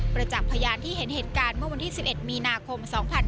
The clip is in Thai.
จักษ์พยานที่เห็นเหตุการณ์เมื่อวันที่๑๑มีนาคม๒๕๖๒